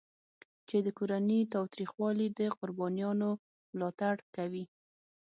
چې د کورني تاوتریخوالي د قربانیانو ملاتړ کوي.